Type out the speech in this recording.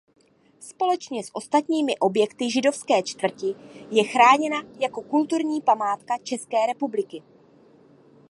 Společně s ostatními objekty židovské čtvrti je chráněna jako kulturní památka České republiky.